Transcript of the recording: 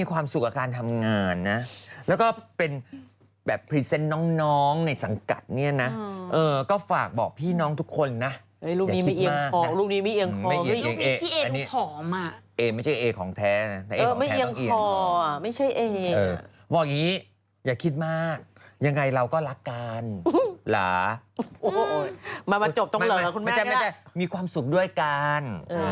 วามันจบตรงเลยค่ะคุณแม่ไม่ได้มีความสุขด้วยกัน